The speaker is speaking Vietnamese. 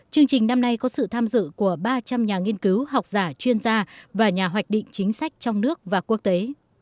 chương trình năm nay có sự tham dự của ba trăm linh nhà nghiên cứu học giả chuyên gia và nhà hoạch định chính sách trong nước và quốc tế